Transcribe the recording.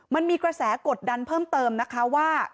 มันมีกระแสกดดันเพิ่มเติมนะคะว่า